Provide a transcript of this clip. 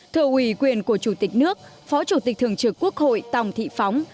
thưa ủy quyền của chủ tịch nước phó chủ tịch thường trực quốc hội tòng thị phóng